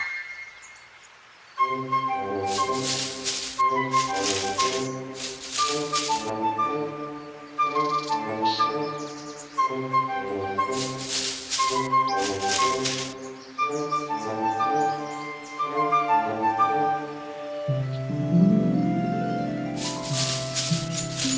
masa lalu yang indah